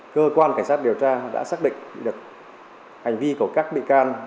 cơ quan cảnh sát điều tra đã xác định được hành vi của các bị can